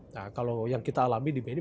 nah kalau yang kita alami di bni memang adalah